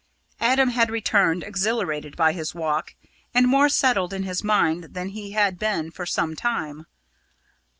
Adam had returned, exhilarated by his walk, and more settled in his mind than he had been for some time.